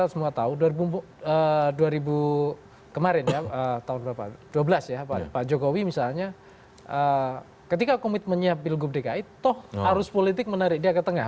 semua tahu dua ribu kemarin ya tahun dua ribu dua belas ya pak jokowi misalnya ketika komitmennya pilgub dki toh arus politik menarik dia ke tengah